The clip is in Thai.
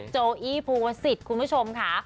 โจอี้ภูวสิทธิ์คุณผู้ชมค่ะ